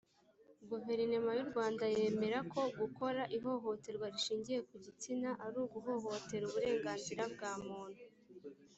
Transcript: guverinoma y’u rwanda yemera ko gukora ihohoterwa rishingiye ku gitsina ari uguhohotera uburenganzira bwa muntu